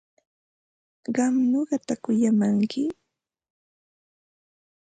¿Qam nuqata kuyamanki?